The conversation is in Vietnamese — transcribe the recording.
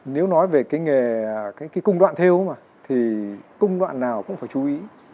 nếu nói về công đoạn theo thì công đoạn nào cũng phải chú ý